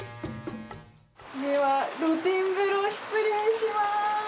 では露天風呂失礼します。